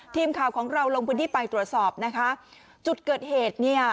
ทีมข่าวของเราลงพื้นที่ไปตรวจสอบนะคะจุดเกิดเหตุเนี่ย